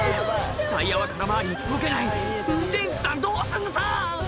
タイヤは空回り動けない運転手さんどうすんのさ！